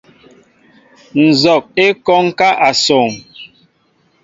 Nzog e kɔŋ ká assoŋ.